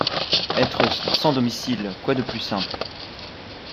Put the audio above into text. Être sans domicile, quoi de plus simple?